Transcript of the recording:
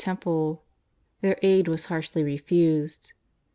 157 Temple: their aid was harshly refused.